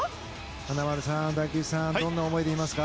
華丸さん、大吉さんどんな思いでいますか？